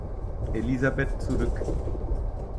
Elisabeth zurück.